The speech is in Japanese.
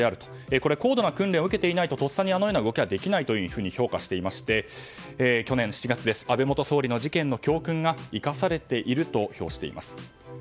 これ、高度な訓練を受けていないととっさにあのような行動はできないというふうに評価していまして去年７月、安倍元総理の事件の教訓が生かされていると評しています。